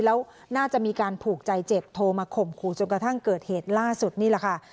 แล้วน่าจะมีการผูกใจเจ็บโทรมาข่มขู่จนกระทั่งเกิดเหตุล่าสุดนี่แหละค่ะ